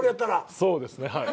そうですねはい。